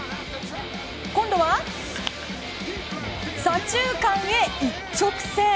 今度は左中間へ一直線。